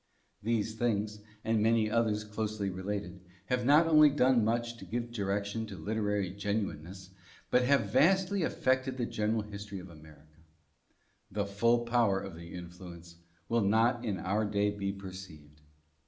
These things, and many others closely related, have not only done much to give direc tion to literary genuineness, but have vastly affected the general history of America. The full power of the influence will not in our day be perceived.